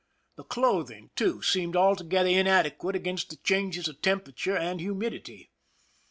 The clothing, too, seemed altogether inadequate against the changes of temperature and humidity.